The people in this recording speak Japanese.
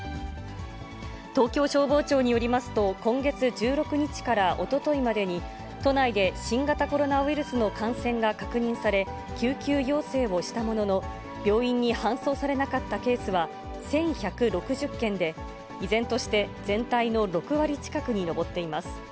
東京消防庁によりますと、今月１６日からおとといまでに、都内で新型コロナウイルスの感染が確認され、救急要請をしたものの、病院に搬送されなかったケースは１１６０件で、依然として全体の６割近くに上っています。